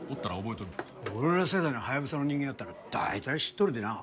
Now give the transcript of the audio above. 俺ら世代のハヤブサの人間やったら大体知っとるでな。